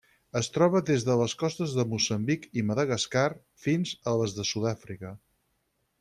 Es troba des de les costes de Moçambic i Madagascar fins a les de Sud-àfrica.